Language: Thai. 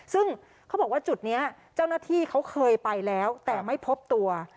ซึ่งเขาบอกว่าจุดนี้เจ้าหน้าที่เขาเคยไปแล้วแต่ไม่พบตัว